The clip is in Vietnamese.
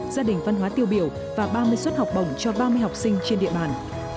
gia đình văn hóa tiêu biểu và ba mươi suất học bổng cho ba mươi học sinh trên địa bàn